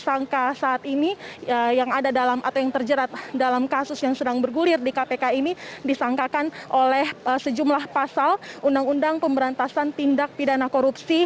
tersangka saat ini yang ada dalam atau yang terjerat dalam kasus yang sedang bergulir di kpk ini disangkakan oleh sejumlah pasal undang undang pemberantasan tindak pidana korupsi